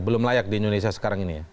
belum layak di indonesia sekarang ini ya